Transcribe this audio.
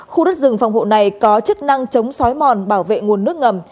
khu đất rừng phòng hộ này có chức năng chống xói mòn bảo vệ nguồn nước ngầm